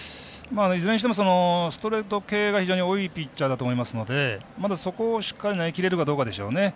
いずれにしてもストレート系が非常に多いピッチャーだと思いますので、まずはそこをしっかり投げきれるかどうかでしょうね。